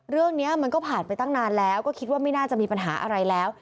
เรื่องนี้มันก็ผ่านไปตั้งนานแล้วก็คิดว่าไม่น่าจะมีปัญหาอะไรแล้ว